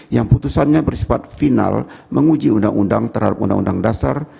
yang putusannya bersepat final menguji uu dasar sebelas empat lima